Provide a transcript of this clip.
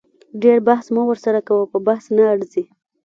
ډیر بحث مه ورسره کوه په بحث نه ارزي